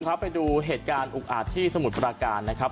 ครับไปดูเหตุการณ์อุกอาจที่สมุทรปราการนะครับ